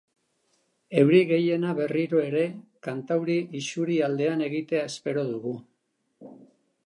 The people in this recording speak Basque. Euri gehiena berriro ere kantauri isurialdean egitea espero dugu.